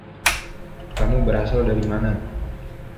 Kamu berasal dari mana?